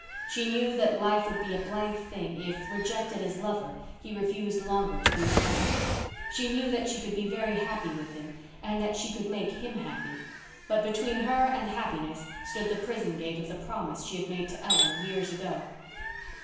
She knew that life would be a blank thing if, rejected as lover, he refused longer to be a friend. She knew that she could be very happy with him and that she could make him happy. But between her and happiness stood the prison gate of the promise she had made to Ellen years ago.